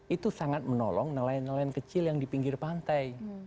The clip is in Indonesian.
itu sangat menolong nelayan nelayan kecil yang di pinggir pantai